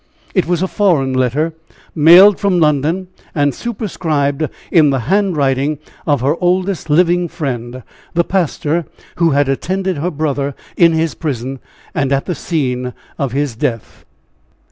It was a foreign letter, mailed from London, and superscribed in the handwriting of her oldest living friend, the pastor who had attended her brother in his prison and at the scene of his death.